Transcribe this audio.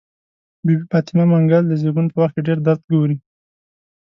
بي بي فاطمه منګل د زيږون په وخت کې ډير درد ګوري.